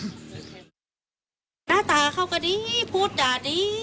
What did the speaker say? หน้าตาเขาก็ดีพูดด่าดี